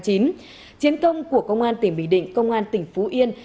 chiến công của công an tỉnh bình định công an tỉnh phú yên